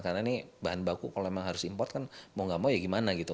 karena ini bahan baku kalau memang harus import kan mau gak mau ya gimana gitu